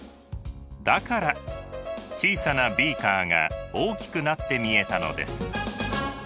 だから小さなビーカーが大きくなって見えたのです。